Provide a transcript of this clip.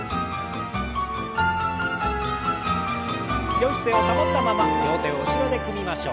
よい姿勢を保ったまま両手を後ろで組みましょう。